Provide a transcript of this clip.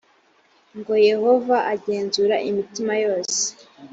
ngo yehova agenzura imitima yose